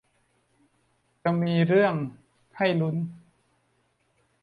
จะมีเรื่องให้ลุ้น